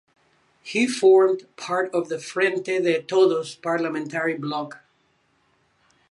He formed part of the Frente de Todos parliamentary bloc.